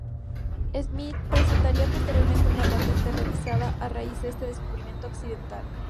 Smith presentaría posteriormente una patente revisada a raíz de este descubrimiento accidental.